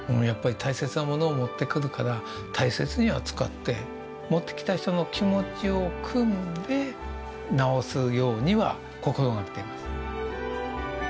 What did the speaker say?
やっぱり大切なものを持ってくるから大切に扱って持ってきた人の気持ちをくんで直すようには心がけています。